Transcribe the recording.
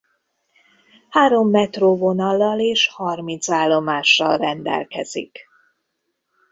Három metróvonallal és harminc állomással rendelkezik.